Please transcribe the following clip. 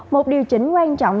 một điều chỉnh quan trọng